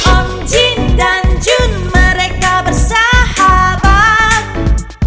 om jin dan jun mereka selalu berdua